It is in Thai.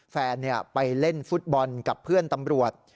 แฟนไปเล่นฟุตบอลกับเพื่อนตำรวจ